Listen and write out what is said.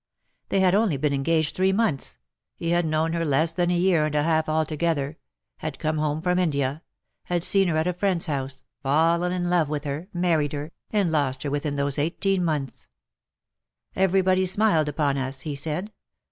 Tbey bad only been engaged tbree montbs ; be bad known ber less tban a year and a balf altogetber; bad come borne from India; bad seen ber at a friend^s bouse^ fallen in love witb ber_, married ber, and lost ber witbin tbose eigbteen montbs. ^ Every tbing smiled upon us/ be said.